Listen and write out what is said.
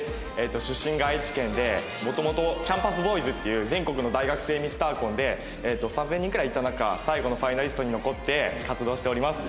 出身が愛知県で元々ＣＡＭＰＵＳＢＯＹＳっていう全国の大学生ミスターコンで３０００人くらいいた中最後のファイナリストに残って活動しております。